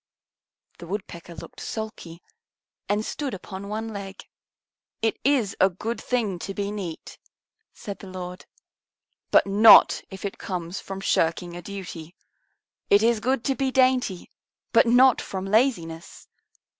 The Woodpecker looked sulky and stood upon one leg. "It is a good thing to be neat," said the Lord, "but not if it comes from shirking a duty. It is good to be dainty, but not from laziness.